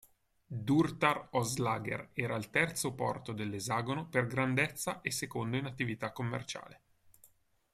Durtar Oslager era il terzo porto dell'esagono per grandezza e secondo in attività commerciale.